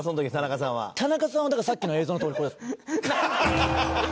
田中さんはだからさっきの映像のとおりこれです。